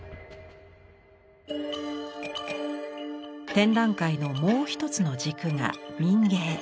展覧会のもう一つの軸が民藝。